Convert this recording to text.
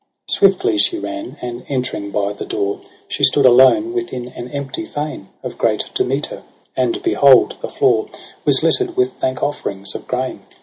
7 Swiftly she ran, and entering by the door She stood alone within an empty fane Of great Demeter : and, behold, the floor Was litter'd with thank offerings of grain.